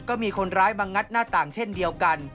ก็มีคนร้ายมางัดหน้าต่างเช่นเดียวกัน